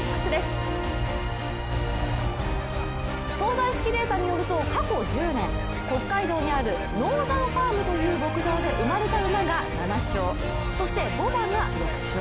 東大式データによると過去１０年北海道にあるノーザンファームという牧場で生まれた馬が７勝そして、牡馬が６勝。